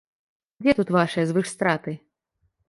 Дзе тут вашыя звышстраты?